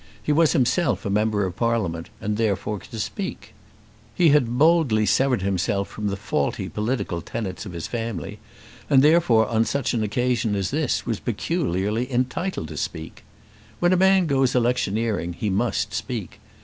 He was himself a member of Parliament, and therefore could speak. He had boldly severed himself from the faulty political tenets of his family, and therefore on such an occasion as this was peculiarly entitled to speak. When a man goes electioneering, he must speak.